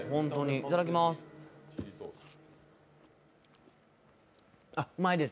いただきまーす。